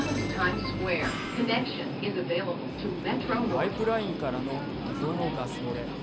パイプラインからの謎のガス漏れ。